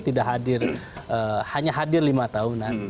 tidak hadir hanya hadir lima tahunan